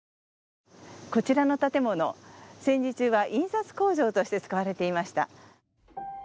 こちらの建物戦時中は印刷工場として使われていました。